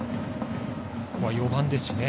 ここは４番ですしね。